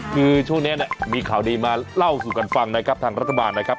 คือช่วงนี้เนี่ยมีข่าวดีมาเล่าสู่กันฟังนะครับทางรัฐบาลนะครับ